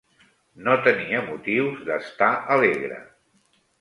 No tenia motius d'estar alegre